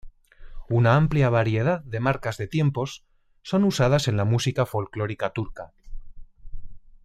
Una amplia variedad de marcas de tiempos son usadas en la música folclórica turca.